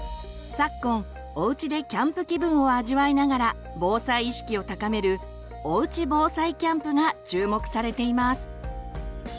昨今おうちでキャンプ気分を味わいながら防災意識を高める「おうち防災キャンプ」が注目されています。